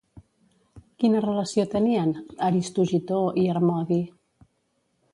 Quina relació tenien Aristogitó i Harmodi?